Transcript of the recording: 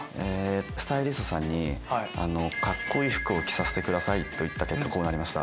スタイリストさんに「カッコいい服を着させてください」と言った結果こうなりました。